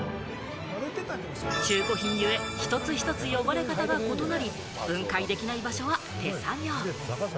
中古品ゆえ、一つ一つ汚れた方は異なり、分解できない場所は手作業。